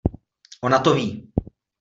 Ona to ví!